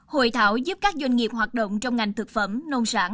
hội thảo giúp các doanh nghiệp hoạt động trong ngành thực phẩm nông sản